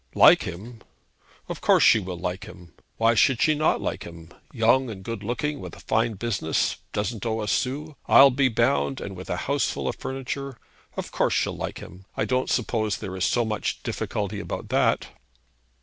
'Like him? Of course, she will like him. Why should she not like him? Young, and good looking, with a fine business, doesn't owe a sou, I'll be bound, and with a houseful of furniture. Of course, she'll like him. I don't suppose there is so much difficulty about that.'